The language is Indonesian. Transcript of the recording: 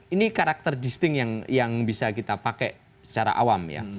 ini karakter disting yang bisa kita pakai secara awam ya